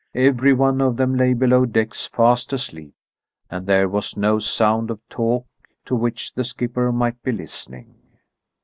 Every one of them lay below decks fast asleep, and there was no sound of talk to which the skipper might be listening.